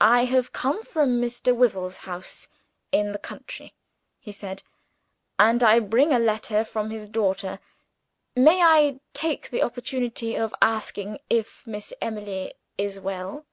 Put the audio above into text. "I have come from Mr. Wyvil's house in the country," he said; "and I bring a letter from his daughter. May I take the opportunity of asking if Miss Emily is well?"